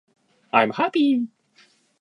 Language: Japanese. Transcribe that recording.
i'm happy